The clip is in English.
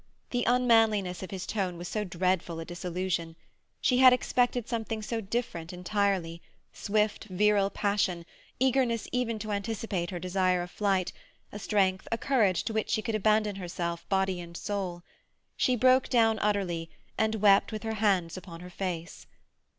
The unmanliness of his tone was so dreadful a disillusion. She had expected something so entirely different—swift, virile passion, eagerness even to anticipate her desire of flight, a strength, a courage to which she could abandon herself, body and soul. She broke down utterly, and wept with her hands upon her face.